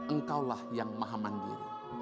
engkaulah yang maha mandiri